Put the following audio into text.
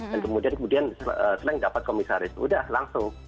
dan kemudian sleng dapat komisaris udah langsung